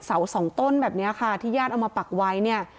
สองต้นแบบนี้ค่ะที่ญาติเอามาปักไว้เนี่ย